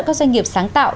các doanh nghiệp sáng tạo